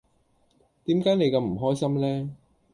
點解你咁唔開心呢